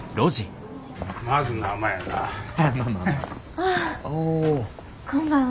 ああこんばんは。